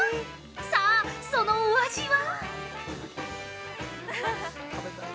さぁ、そのお味は？